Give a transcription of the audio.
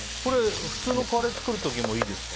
普通のカレー作る時もいいですか？